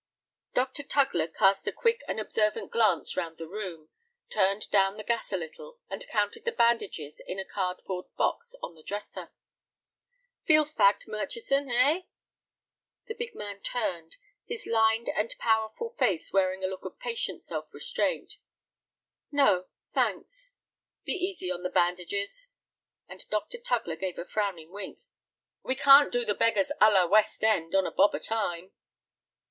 Dr. Tugler cast a quick and observant glance round the room, turned down the gas a little, and counted the bandages in a card board box on the dresser. "Feel fagged, Murchison, eh?" The big man turned, his lined and powerful face wearing a look of patient self restraint. "No—thanks." "Be easy on the bandages," and Dr. Tugler gave a frowning wink; "we can't do the beggars à la West End on a bob a time."